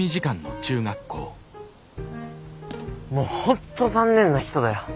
もう本当残念な人だよ！